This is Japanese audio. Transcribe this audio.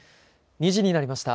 ２時になりました。